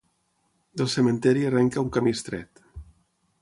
Del cementiri arrenca un camí estret.